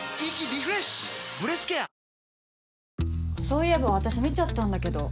そういえば私見ちゃったんだけど。